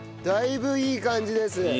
だいぶいい感じです。